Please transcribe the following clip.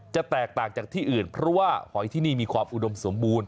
จะแตกต่างจากที่อื่นเพราะว่าหอยที่นี่มีความอุดมสมบูรณ